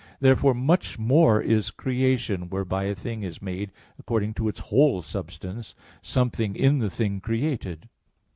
Therefore much more is creation, whereby a thing is made according to its whole substance, something in the thing created.